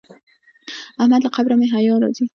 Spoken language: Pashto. احمد له قبره مې حیا راځي.